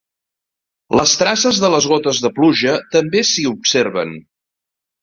Les traces de les gotes de pluja també s'hi observen.